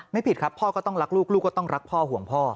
ผิดครับพ่อก็ต้องรักลูกลูกก็ต้องรักพ่อห่วงพ่อ